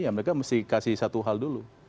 ya mereka mesti kasih satu hal dulu